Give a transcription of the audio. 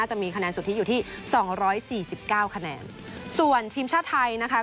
ก็จะเมื่อวันนี้ตอนหลังจดเกม